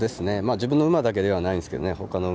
自分の馬だけではないんですけどね。